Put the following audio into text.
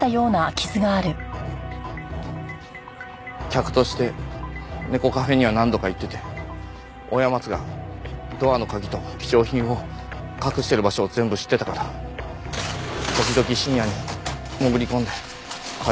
客として猫カフェには何度か行ってて親松がドアの鍵と貴重品を隠してる場所を全部知ってたから時々深夜に潜り込んで金を奪ってた。